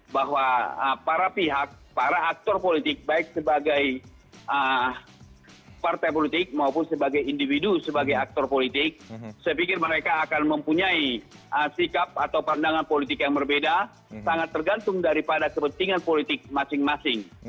bahwa para pihak para aktor politik baik sebagai partai politik maupun sebagai individu sebagai aktor politik saya pikir mereka akan mempunyai sikap atau pandangan politik yang berbeda sangat tergantung daripada kepentingan politik masing masing